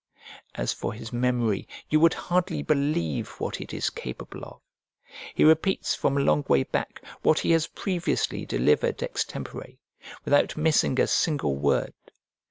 As for his memory, you would hardly believe what it is capable of. He repeats from a long way back what he has previously delivered extempore, without missing a single word.